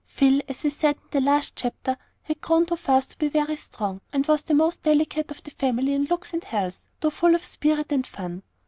Phil, as we said in the last chapter, had grown too fast to be very strong, and was the most delicate of the family in looks and health, though full of spirit and fun.